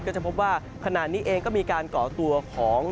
จะพบว่าขณะนี้เองก็มีการก่อตัวของ